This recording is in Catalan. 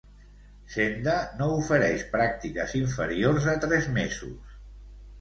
Senda no ofereix pràctiques inferiors a tres mesos.